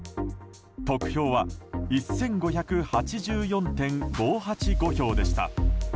得票は１５８４．５８５票でした。